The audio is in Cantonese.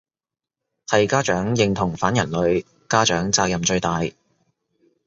係家長認同反人類，家長責任最大